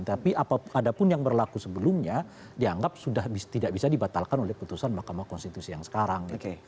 tapi apapun yang berlaku sebelumnya dianggap sudah tidak bisa dibatalkan oleh putusan mahkamah konstitusi yang sekarang